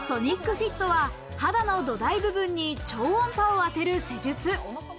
フィットは肌の土台部分に超音波を当てる施術。